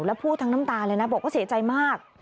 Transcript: แล้วพูดทั้งน้ำตาเลยนะบอกว่าเสียใจมาก